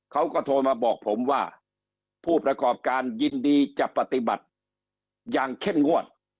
เขาก็โทรมาบอกผมว่าผู้ประกอบการยินดีจะปฏิบัติอย่างเข้มงวด